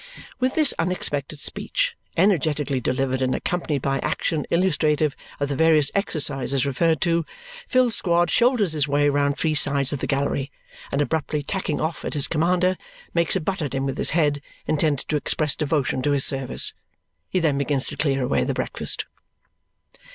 With this unexpected speech, energetically delivered and accompanied by action illustrative of the various exercises referred to, Phil Squod shoulders his way round three sides of the gallery, and abruptly tacking off at his commander, makes a butt at him with his head, intended to express devotion to his service. He then begins to clear away the breakfast.